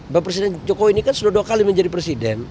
bapak presiden jokowi ini kan sudah dua kali menjadi presiden